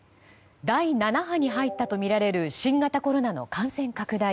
第７波に入ったとみられる新型コロナの感染拡大。